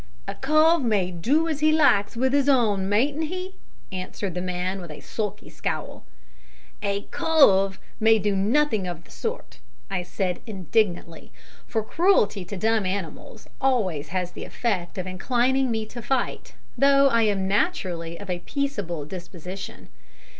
"A cove may do as he likes with his own, mayn't he?" answered the man, with a sulky scowl. "A `cove' may do nothing of the sort," said I indignantly, for cruelty to dumb animals always has the effect of inclining me to fight, though I am naturally of a peaceable disposition.